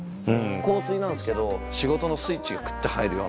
香水なんすけど仕事のスイッチがクッて入るような。